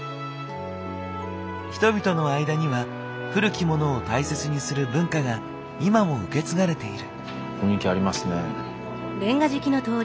人々の間には古きモノを大切にする文化が今も受け継がれている。